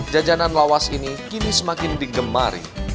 jajanan lawas ini kini semakin digemari